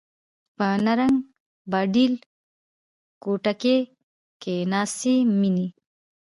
په نرنګ، باډېل کوټکي کښي ناڅي میني